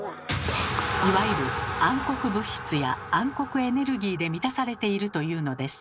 いわゆる暗黒物質や暗黒エネルギーで満たされているというのです。